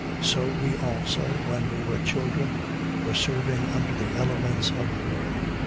4:3. So we also, when we were children, were serving under the elements of the world.